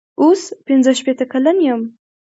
اوس پنځه شپېته کلن یم.